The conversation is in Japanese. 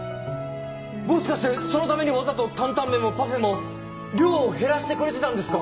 もしかしてそのためにわざと担々麺もパフェも量を減らしてくれてたんですか？